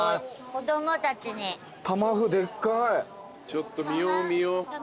ちょっと見よう見よう。